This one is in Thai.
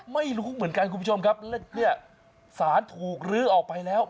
ไม่รู้เหมือนกันคุณผู้ชมครับเนี่ยสารถูกลื้อออกไปแล้ว